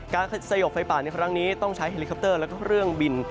สยบไฟป่าในครั้งนี้ต้องใช้เฮลิคอปเตอร์แล้วก็เครื่องบิน